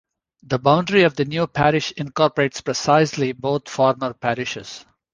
The boundary of the new parish incorporates precisely both former parishes.